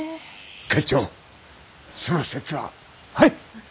会長その節ははい！